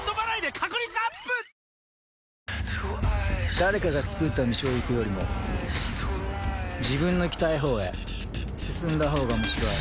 誰かがつくった道を行くよりも自分の行きたい方へ進んだ方がおもしろい